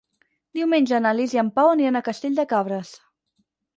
Diumenge na Lis i en Pau aniran a Castell de Cabres.